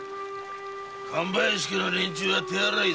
神林家の連中は手荒いぞ。